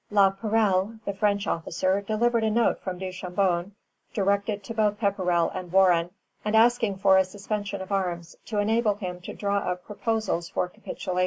La Perelle, the French officer, delivered a note from Duchambon, directed to both Pepperrell and Warren, and asking for a suspension of arms to enable him to draw up proposals for capitulation.